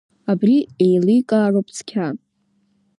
Абри еиликаароуп цқьа.